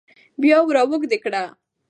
بيا وراوږدې کړه